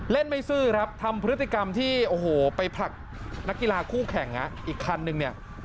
ไม่ซื่อครับทำพฤติกรรมที่โอ้โหไปผลักนักกีฬาคู่แข่งอีกคันนึงเนี่ย